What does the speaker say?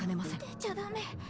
出ちゃダメ。